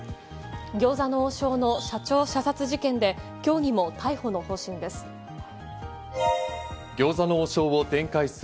餃子の王将の社長射殺事件で、今日にも逮捕の方針です。